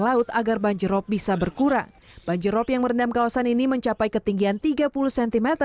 laut agar banjirop bisa berkurang banjirop yang merendam kawasan ini mencapai ketinggian tiga puluh cm